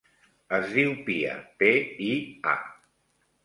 Es diu Pia: pe, i, a.